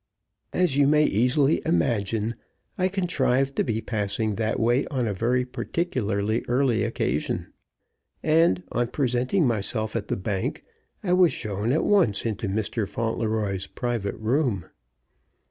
As you may easily imagine, I contrived to be passing that way on a particularly early occasion, and, on presenting myself at the bank, I was shown at once into Mr. Fauntleroy's private room.